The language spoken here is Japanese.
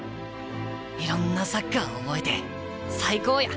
いろんなサッカーを覚えて最高や！